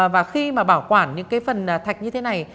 và khi mà bảo quản những cái phần thạch như thế này